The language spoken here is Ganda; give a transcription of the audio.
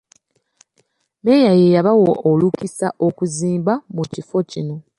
Mmeeya ye yabawa olukusa okuzimba mu kifo kino.